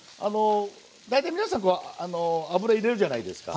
大体皆さん油入れるじゃないですか。